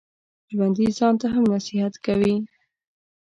ژوندي ځان ته هم نصیحت کوي